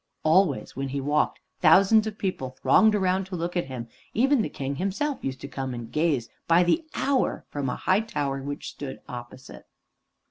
Always when he walked, thousands of people thronged around to look at him; even the King himself used to come and gaze by the hour from a high tower which stood opposite.